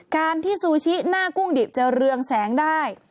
การที่ซูชิหน้ากุ้งดิบจะเรืองแสงได้